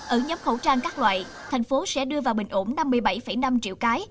ở nhóm khẩu trang các loại tp hcm sẽ đưa vào bình ổn năm mươi bảy năm triệu cái